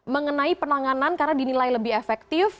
mengenai penanganan karena dinilai lebih efektif